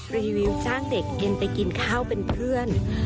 รีวิวจ้างเด็กเย็นไปกินข้าวเป็นเพื่อน